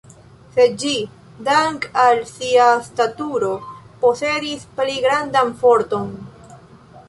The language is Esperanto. Sed ĝi, dank' al sia staturo, posedis pli grandan forton.